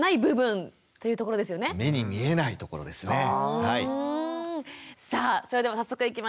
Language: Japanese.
いわゆるさあそれでは早速いきましょう。